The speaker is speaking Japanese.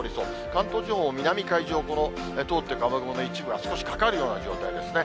関東地方、南海上を通っていく雨雲の一部が少しかかるような状態ですね。